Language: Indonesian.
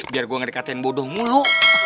biar gue gak dikatain bodoh mulu